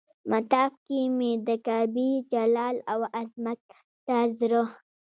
مطاف کې مې د کعبې جلال او عظمت ته زړه.